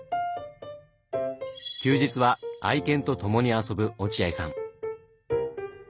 休日は愛犬と共に遊ぶ落合さん。